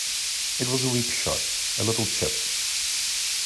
It was a weak shot, a little chip.